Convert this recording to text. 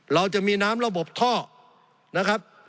เราจะมีน้ำระบบท่อนะครับ